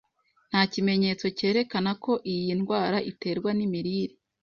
Nta kimenyetso cyerekana ko iyi ndwara iterwa nimirire.